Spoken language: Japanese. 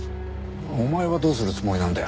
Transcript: お前はどうするつもりなんだよ？